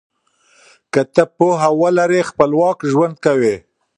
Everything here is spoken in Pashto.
که ته پوهه ولرې خپلواک ژوند کوې.